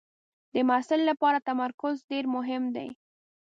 د محصل لپاره تمرکز ډېر مهم دی.